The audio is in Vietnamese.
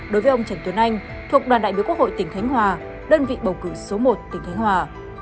đối với ông trần tuấn anh thuộc đoàn đại biểu quốc hội tỉnh khánh hòa đơn vị bầu cử số một tỉnh khánh hòa